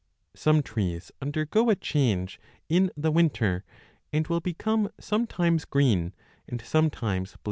Some trees undergo a change in the 25 winter and will become sometimes green and sometimes 1 Reading calorcm.